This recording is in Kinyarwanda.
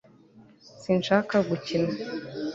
sinshaka gukina